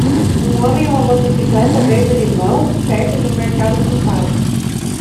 Um homem em uma motocicleta verde limão? perto de um mercado ocupado.